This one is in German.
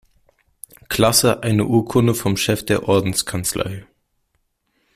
Klasse eine Urkunde vom Chef der Ordenskanzlei.